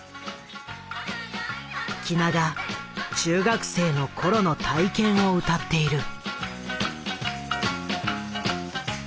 喜納が中学生の頃の体験を歌っている。